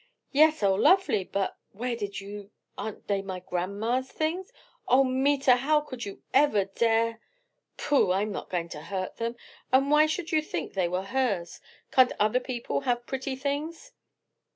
"Yes, oh lovely! but where did you aren't they my grandma's things? O Meta, how could you ever dare " "Pooh! I'm not going to hurt 'em. And why should you think they were hers? can't other people have pretty things?"